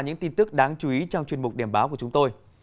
những tin tức đáng chú ý trong chuyên mục điểm báo của chúng tôi